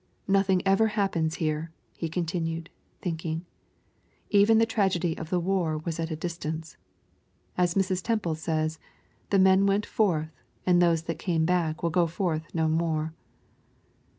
"Nothing ever happens here," he continued, thinking. "Even the tragedy of the war was at a distance. As Mrs. Temple says, the men went forth, and those that came back will go forth no more."